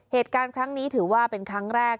เหตุการณ์ครั้งนี้ถือว่าเป็นครั้งแรก